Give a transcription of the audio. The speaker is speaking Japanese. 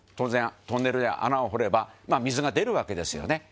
錡トンネルで穴を掘れば水が出るわけですよね。